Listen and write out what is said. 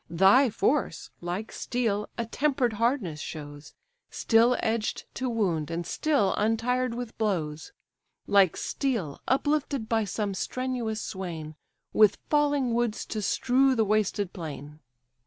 Thy force, like steel, a temper'd hardness shows, Still edged to wound, and still untired with blows, Like steel, uplifted by some strenuous swain, With falling woods to strew the wasted plain.